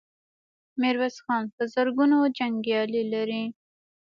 ميرويس خان په زرګونو جنګيالي لري.